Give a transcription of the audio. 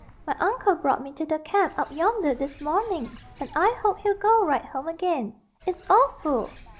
"My uncle brought me to the camp up yonder this morning, and I hope he'll go right home again. It's awful!"